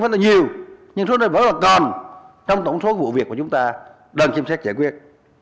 số này vẫn là nhiều nhưng số này vẫn là còn trong tổng số vụ việc của chúng ta đơn xem xét giải quyết